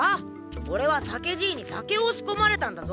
オレは酒爺に酒を仕込まれたんだぞ。